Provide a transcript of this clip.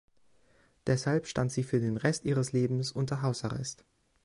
Deshalb stand sie für den Rest ihres Lebens unter Hausarrest.